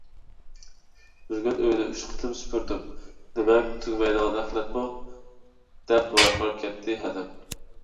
— بۈگۈن ئۆينى ئۈچ قېتىم سۈپۈردۈم، نېمە تۈگىمەيدىغان ئەخلەت بۇ؟ !— دەپ ۋارقىراپ كەتتى ھەدەم.